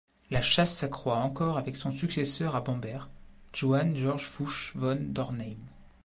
La chasse s'accroit encore avec son successeur à Bamberg, Johann Georg Fuchs von Dornheim.